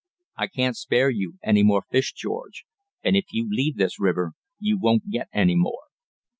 I can't spare you any more fish, George, and if you leave this river you won't get any more.